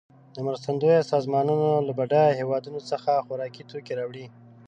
مرستندویه سازمانونه له بډایه هېوادونو څخه خوارکي توکې راوړي.